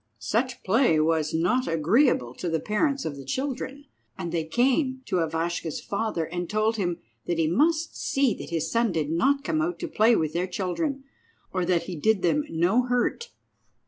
Such play was not agreeable to the parents of the children, and they came to Ivashka's father and told him that he must see that his son did not come out to play with their children, or that he did them no hurt.